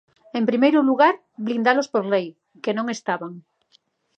En primeiro lugar, blindalos por lei, que non estaban.